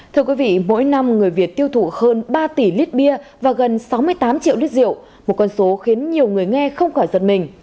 thưa quý vị mỗi năm người việt tiêu thụ hơn ba tỷ lít bia và gần sáu mươi tám triệu lít rượu một con số khiến nhiều người nghe không khỏi giật mình